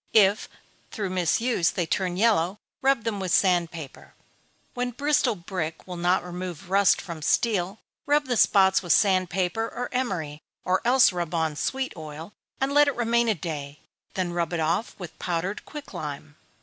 If, through misuse, they turn yellow, rub them with sand paper. When Bristol brick will not remove rust from steel, rub the spots with sand paper or emery, or else rub on sweet oil, and let it remain a day; then rub it off with powdered quicklime.